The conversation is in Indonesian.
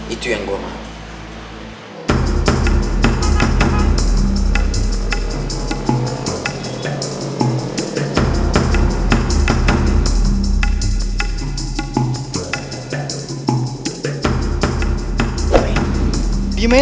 itu yang gue mau